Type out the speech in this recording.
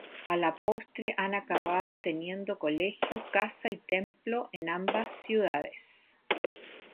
A la postre, han acabado teniendo colegio, casa y templo en ambas ciudades.